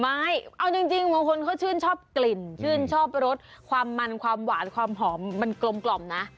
ไม่เอาจริงบางคนเขาชื่นชอบกลิ่นชื่นชอบรสความมันความหวานความหอมมันกลมนะ